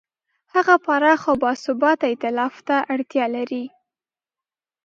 هغه پراخ او باثباته ایتلاف ته اړتیا لري.